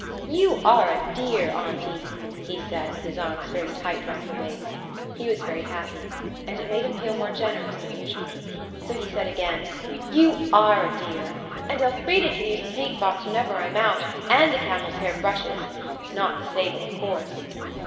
"You are a dear, auntie," he said, with his arms very tight round her waist. He was very happy, and it made him feel more generous than usual. So he said again, "You are a dear. And Elfrida can use the paint box whenever I'm out, and the camel's hair brushes. Not the sable, of course."